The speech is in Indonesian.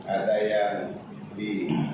ada yang di